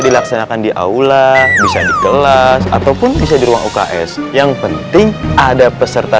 dilaksanakan di aula bisa di kelas ataupun bisa di ruang uks yang penting ada peserta